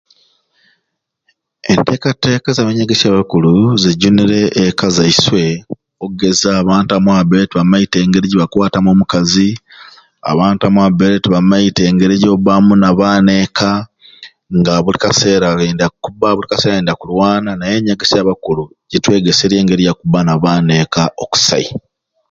Entekateka za byanyegesya bya bakulu zijunire ekka zaiswe ogeza abantu abamwei babaire tibamaite ngeri jebakwatamu omukazi abantu abamwei babaire tibamaite ngeri jobamu nabaana ekka nga buli kaseera bendya kubba, buli kaseera ayendya kulwana naye enyegeesya yabakulu jitwegeserye engeri yakuba nabaana omwekka okusai.